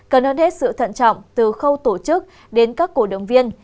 cần hơn hết sự thận trọng từ khâu tổ chức đến các cổ động viên